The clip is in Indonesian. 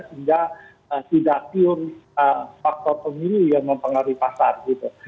sehingga tidak pure faktor pemilu yang mempengaruhi pasar gitu